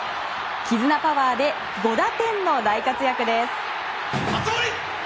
絆パワーで５打点の大活躍です。